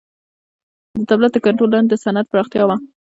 د دولت تر کنټرول لاندې د صنعت پراختیا و.